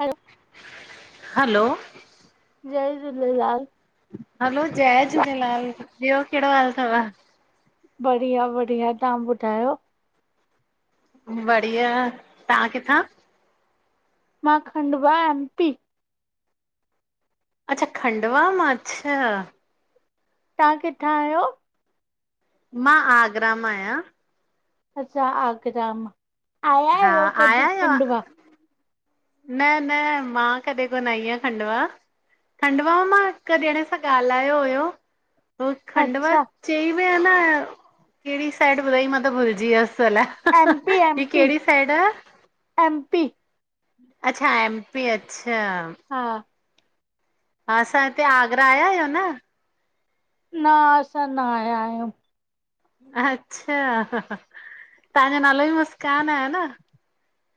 Hello, hello, जय Jhulelal. Hello जय झूलेलाल, ॿियो केड़ो हाल थव? बढ़िया- बढ़िया, तहां ॿुधायो? बढ़िया, तां किथां? मां खंडवा एम, पी, अच्छा, खंडवा मां अच्छा। ताहां किथां आहियो? मां आगरा मां आहियां। अच्छा, आगरा मां आया हा आहियो, कॾी आया आहियो? खंडवा? न -न, मां कॾहिं कोन आई आहियां खंडवा। खंडवा मां हिक ॼणे सां ॻाल्हायो हुयो, हो खंडवा अच्छा चई ॿि आ न कहिड़ी साइड ॿुधाईं, मां त भुलॼी यसि अलाए? एम पी एम ही पी कहिड़ी साइड आ? M P. अच्छा, एम पी अच्छा। हा। हा, असां हिते आगरा आया आहियो, न? न, असां न आया आहियूं। अच्छा, तव्हांॼो नालो ई मुस्कान आहे, ह न?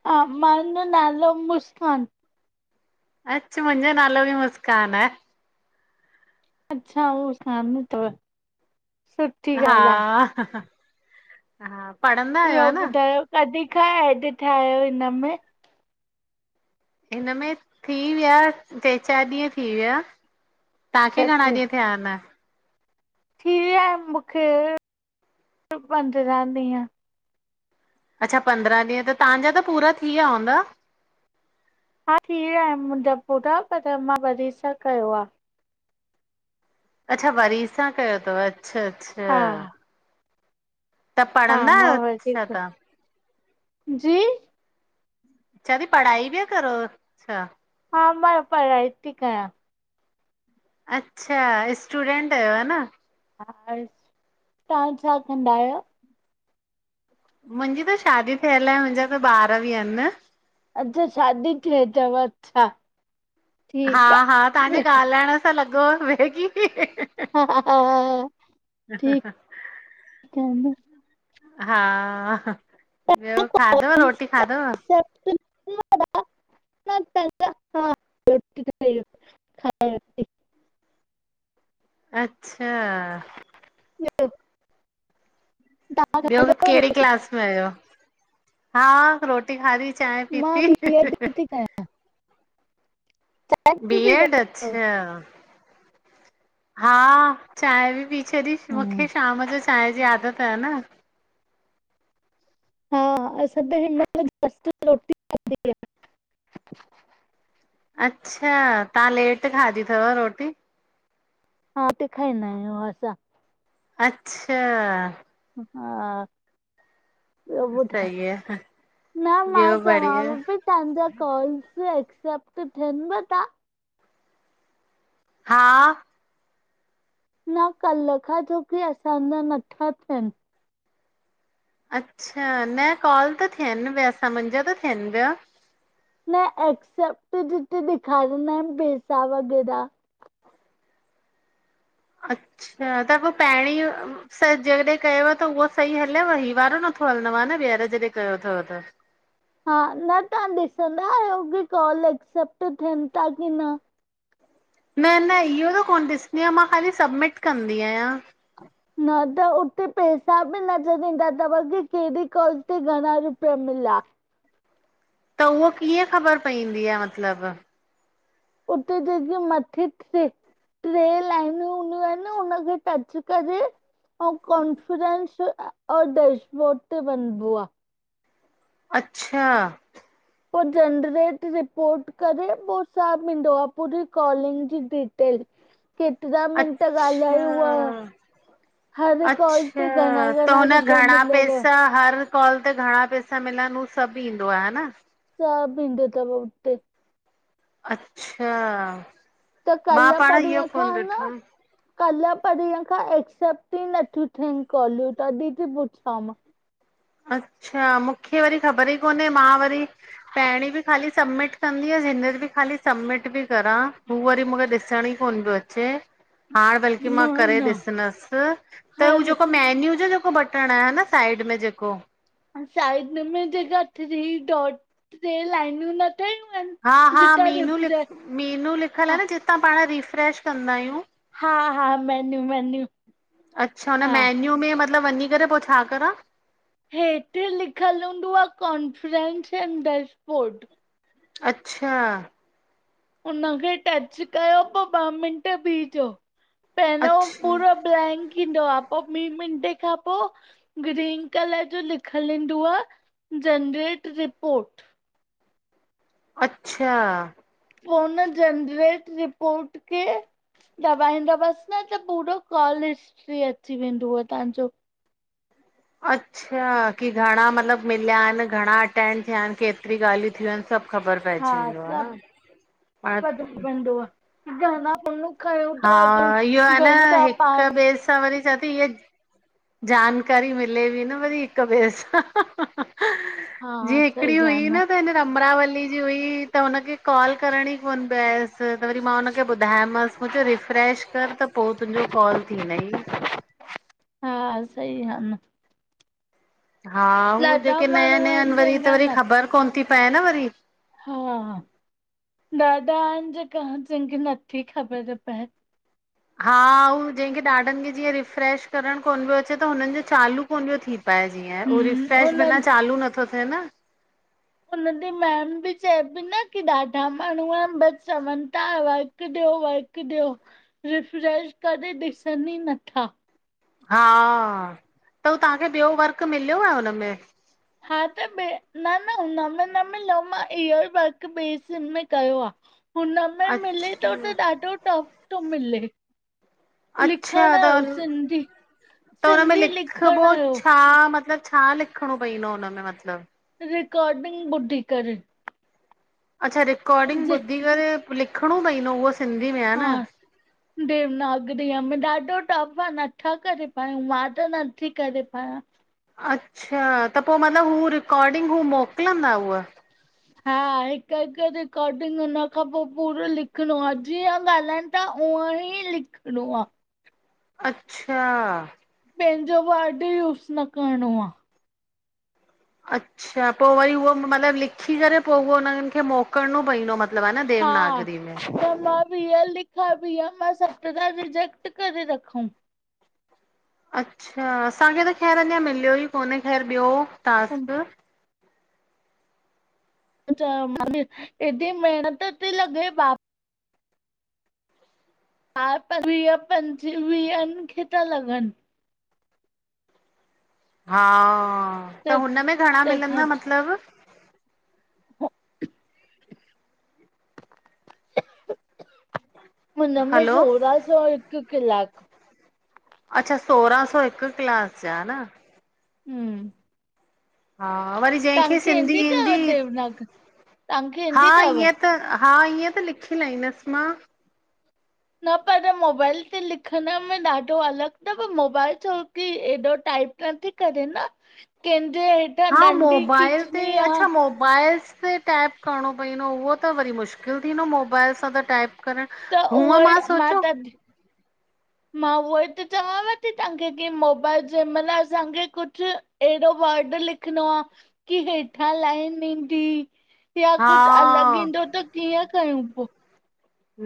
हा मांॼो नालो मुस्कान। अच्छ मुंज्जो नालो ॿि मुस्कान आए। अच्छा, ओ सामने तव। हा- हा, पढ़ंद ॿियो ॿुधायो? कॾी खां ऐड थियायो हिनमें? हिन में थी विया, ट्रे चारि ॾींहं थी विया, तांखे सत घणा ॾींहं थिया इनि? थी वियाइन मुखे पंधिरां ॾीहं। अच्छा पंद्रहां ॾींहं, त तहांॼा त पूरा थी विया हुंदा? हा, थी विया इन मुंॼा पूरा पर मां वरी सां कयो आ। अच्छा वरी सां कयो तव, अच्छा- अच्छा। हा त हा पढ़ंदा आहियो, छा तहां? ॼी। चां ती पढ़ाई पिया करो छा? हा मां पढाई ती कयां। अच्छा, स्टूडेंट अहियो ह न? हा हल, तां छा कंदा आहियो? मुंॼी त शादी थियल आए, मुंॼा त ॿार ॿि अन न अच्छा शादी थी वई तव च्छा? हा- हा, ताहांॼो ॻाल्हाइण सां लॻो पे की ठीक आ न [unintelligible] हा ॿियो, खादव रोटी खादव? [inaudible] हा त त [unintelligible] अच्छा। ॿियो [unintelligible] ॿियो केड़ी क्लास में आयो? हा रो हा री चांहि मां पीती। बी एड थी कयां ॿी तव्हां बी एड, कयो? अच्छा? हा चांहि ॿि पी छॾी, हम्म, मुखे शाम जो चांहि जी आदत आहे न। हा असां त हिनमइल जस्ट रोटी अच्छा, तहां लेट खादी थव रोटी? हा त, खाई ना अऊं असां। अच्छा। हा। ॿियो ॿुधाए? सही आहे न मां ॿियो बढ़िया चवांव ती तव्हांजा कॉल्स एक्सेप्ट थियनिव ता? हा। न कल्ह खां छोकी, असांञा नथा थियनि। अच्छा, न कॉल त थियनि पिया ता, मुंहिंजा त थियनि पिया। न एक्सेप्ट जिते ॾखारीना आहिनि, पेसा वग़ैरा। अच्छा त पोइ, पहिणी स जॾहिं कयव त उहो सही हल्यव, हीउ वारो नथो हलंदव न, ॿीहर जॾहिं कयो अथव त? हा न तहां ॾिसंदा आहियो की, कॉल एक्सेप्ट थियनि ता की न? न- न इहो त कोन ॾिसदी आहियां, मां ख़ाली सबमिट कंदी आहियां। न त उते पैसा बि न छॾींदा, तव्हांखे कहिड़ी कॉल ते घणा रुपिया मिला? त उहो कीअं ख़बर पईंदी आहे मतिलबु? उते जेके मथे थि टे लाइनूं हूंनियूं आहिनि, हुनखे टच करे ऐं कॉनफिडेंस, और डेश बोड ते वञबो आहे। अच्छा। पोइ जनरेट रिपोर्ट करे, पोइ सभ ईंदो आहे पूरी कॉलिंग जी डिटेल। केतिरा मिंट अच्छा ॻाल्हाई, उहा। हर कॉल अच्छा ते घणा त -घणा हुन रुपया घणा मिलियव? पैसा हर कॉल ते घणा पैसा मिलनि, उ सभु ईंदो आहे ह न। सभ ईंदो तव हुते अच्छा, त मां कल्ह पांण इह्यो परीहं कोन खां न ॾिठो कल्ह परीहं खां एक्सेप्ट ई नथियूं थियन कॉलियूं, तॾहिं ती पुछाव मां। अच्छा, मुखे वरी ख़बर ई कोन्हे, मां वरी पहिरी बि खाली सबमिट कंदी हुअसि, हींअर बि ख़ाली सबमिट पी करां, हू वरी मुखे ॾिसणं ई कोन पियो अचे, हाण बल्कि न मां करे न ॾिसंदस, त हू हर जेको मेन्यू जो जेको बटण आए ह न साइड में जेको? साइड में जेका थिरी डोट ट्रे लाइनियू न ठहियूं हा आहिनि -हा, जितां मीनू लिख रिफ्रेश मीनू लिखियलु आ हा न जितां पांण रिफ्रेश कंदा आहियूं हा -हा, मेन्यू -मेन्यू अच्छा हुन हा मेन्यू में मतलबु वंञीं करे, पो छा करां? हेठि लिखियलु हूंदुव कॉन्फ्रेंस एंड डेशबोर्ड अच्छा उनखे टच कयो, पो ॿ मिंट बीहिजो पहिरियों अच्छा पूरो ब्लैंक ईंदो आ, पो ॿी मिंटे खां पो ग्रीन कलर जो लिखियलु इंदुव जनरेट रिपोर्ट अच्छा पो हुन जनरेट रिपोर्ट खे दबाईंदवसि न त पूरो कॉल हिस्ट्री अची वेन्दुव तव्हांजो। अच्छा की घणां मतलबु मिलिया हिनि, घणां अटेंड थिया हिनि, केतिरीयुं ॻाल्हियूं थियूं आहिनि सभु ख़बर हा पइजी वेंदो ह न सभु हाणे इ न प [unintelligible] हा, इह्यो आहे न हिक पाण ॿिए सां वरी चवां ती ईह्ये जानकारी मिले बि न वरी हिक ॿे सां हा जीअं हिकिड़ी सही हुई आ न त हिन अमरावली जी हुई, त हुनखे कॉल करण ई कोन पए आयसि -स त वरी मां हुनखे ॿुधायोमांसि मु च्यो रिफ्रेश कर त पो तुंजो कॉल थींदई। हा, सही हा न हा, हू ॾाढा जेके नया माण्हू -नया आहिनि हिनि वरी जंहिंखा त वरी न ख़बर कोन थी पए न वरी हा, ॾाढा आहिन जेका, जेंखे नथी ख़बर पए हा, हू जंहिंखे ॾाॾनि खे जीअं रिफ्रेश करण कोन पियो अचे त, हुननि जो चालू कोन पियो थी पाए जीअं, हू हम्म रिफ्रेश उन बिना चालू नथो थिये न हुनजी मैम बि चए‌ पई न की ॾाढा माण्हूं आहिन, बई चवनि था वर्क वर्क‌ ॾियो, वर्क ॾियो रिफ्रेश करे ॾिसनि ई नथा। हा, त हू तव्हांखे ॿियो वर्क मिलियो आहे हुनमें? हा, त ॿे न -न हुन में न मिल्यो मां इह्यो ई वर्क ॿे सिम में कयो आ। हुनमें मिले तो अच्छा त ॾाढो टफ तो मिले। अच्छा लिखण त यो सिंधी त हुनमें सिंधी लिखिबो लिखण जो छा, मतलब छा लिखिणो पईंदो हुनमें मतलब रिकार्डिंग ॿुधी करे अच्छा रिकॉर्डिंग जे ॿुधी करे, लिखिणो पइंदो उहो सिंधी में हा न देवनागरीअ मे ॾाढो टफ आ नथा करे पायूं, मां त न नत्थी करे पायां। अच्छा त पो मतिलब, हू रिकॉडिंग हू मोकिलंदा हुअ? हा हिक -हिक रिकॉर्डिंग हुन खां पो पूरो लिखिणो आ, जीअं ॻाल्हाइन त ऊहंईं लिखणो आ। अच्छा पंहिंजो वर्ड यूस न करणो आ। अच्छा पो वरी उहो मतलब लिखी करे पो उहो उन्हि खे मोक करणों पईंदो मतलब हा न देवनागरी में। [unintelligible] लिखल भी आ मां सतरां रिजक्ट करे रखऊं। अच्छा असांखे त ख़ैर अञा मिलियो ही कोन्हे ख़ैर ॿियो टास्क। मा चयोमासि हेॾी मेहनत ती लॻे बाप हा त वीह पंजवीहनि खे था लॻनि हा त तंहिं हुनमें में घणा तंहिंखां मिलंदा मतलब? हुनमें हलो सोरहां सौ हिक कलाक। अच्छा सोरहां सौ हिकु क्लास जा न। हम्म। हा वरी जंहिंखे तव्हांखे सिंधी ईंदी अथव देवनाग तव्हांखे हा ईंदी अथव? ईअं त हा ईअं त लिखी लाईदसि मां न पर मोबाइल ते लिखण में ॾाढो अलॻ तव मोबाइल छो की एॾो टाइप न थी करेे न कंहिंजे हा डंडी मोबाइल ते खिचणी आ अच्छा मोबाइलस ते टाइप करणो पईंदो उहो त वरी मुश्किल थींदो मोबाइल सां त टाइप करण त हूअं उहो ई मां सोचो त मां उहो ही त चवां वेठी थी तव्हांखे की मोबाइल जंहिं महिल असांखे कुछ एहीॾो वर्ड लिखणो आ की हेठा लाइन ईंदी या हा कुछ अलॻ ईंदो त कीअं कयऊं पो?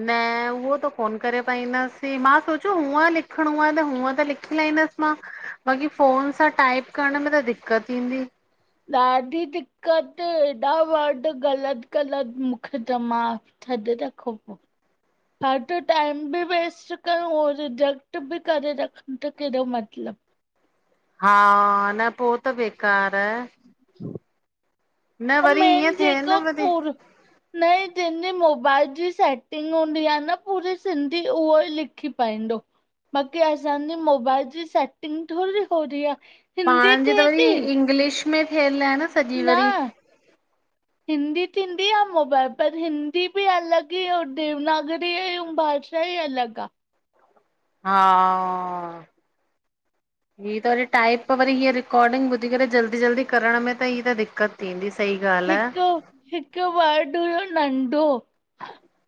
न उहो त कोन करे पाईंदासीं मां सोचियो हूूंअ लिखणो आ न हूअं त लिखी लाहिंदसि मां। बाक़ी फ़ोन सां टाइप करण में त दिक्क़त ईंदी। ॾाढी दिक्क़त ऐॾा वर्ड ग़लत ग़लत मूंखे ते मा छॾे रखो। [inaudible] फालतु टाइम बि वेस्ट कयूं और रिजेक्ट बि करे रखन त कहिड़ो मतलब। हा न पो त बेकार आहे। न अऊं वरी मेन ईअं थिए जेको न वरी पूर न जिंजी मोबाइल जी सेटिंग हूंदी आ न पूरी सिंधी उहो ही लिखी पाईंदो। बाक़ी असां जी मोबाइल जी सेटिंग थोडी हो री आ। हिंदी पाण जी त थिए वरी थी इंग्लिश में थियल आहे न। सॼी न [inaudible] हिंदी थींदी आ मोबाइल पर हिंदी बि अलॻ ही हो देवनागरीयूं भाष भाषा ही अलॻ आ। हा हीअं त वरी टाइप वरी हीअ रिकॉर्डिंग ॿुधी करे जल्दी -जल्दी करण में त ही त दिक्कत थींदी सही। ॻाल्हि हिकु, आहे हिकु बर्ड हुयो नंढो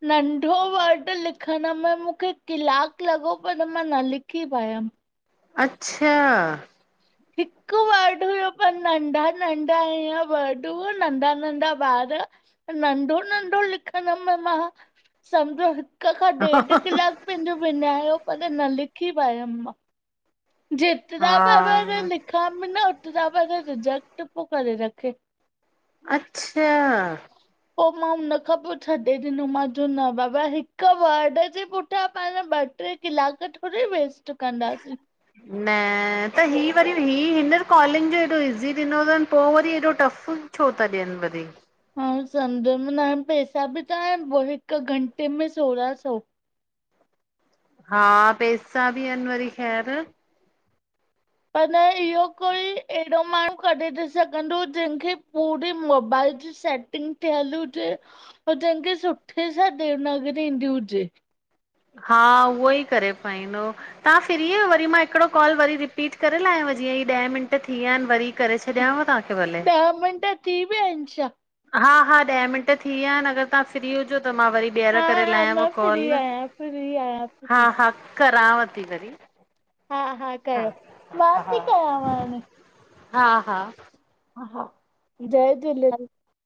नंढो वड लिखण में मूंखे कलाकु लॻो पर मां न लिखी पायमि। अच्छा! हिकु वर्ड हुयो पर नंढा -नंढा हिअं वर्ड हुयो नंढा- नंढा ॿार। नंढो- नंढो लिखण में, मां समझो हिक खां ॾेढु हा कलाक पंहिंजो विञायो पर न लिखी पायमि मां। जेतरा ॿार लिखांम न ओतरा ॿार रिजेक्ट पो करे रखे। अच्छा पो मां हुन खां पो छॾे ॾिनम ॼो न बाबा हिक वर्ड जे पुठयां पाण ॿ टे कलाक थोरी वेस्ट कंदासीं। न त ही वरी ही हींअर कॉलिंग ॼो हेॾो इज़ी ॾिनो तन पो वरी हेॾो टफ। छो था ॾियन वरी। हा समझ में न आयन पैसा ॿि त आयन हिक घंटे में सोरां सौ। हा पैसा ॿि आयन वरी ख़ैर। पर इयो कोई एड़ो माणू कढी त सघंदो जेंखे पूरी मोबाइल ॼी सेटिंग थेयल हुजे जेंखे सुठे सां देवनागरी ईंदी हुजे। हा उये ई करे पाईंदो। तां फ्री आयो वरी मां हिकड़ो कॉल वरी रिपीट करे लायांव जीअं ही ॾह मिंट थीया आयन वरी। करे छॾियांव तव्हांखे भले ॾह मिंट ती वया अन छा? हा-हा ॾह मिंट थी वया आयन अगर तां फ्री हुजो त मां वरी। ॿीहर हा करे हा लायांव मां फ्री कॉल आहियां फ्री आहियां फ्री हा-हा करांव ती वरी। हा-हा हा कयो मां ती कयांव हाणे। हा-हा हा-हा जय झूलेलाल।